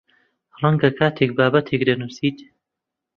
ڕەنگە کاتێک بابەتێک دەنووسیت